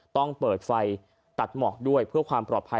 ต้องเปิดไฟตัดหมอกด้วยเพื่อความปลอดภัย